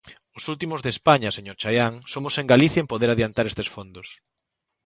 Os últimos de España, señor Chaián, somos en Galicia en poder adiantar estes fondos.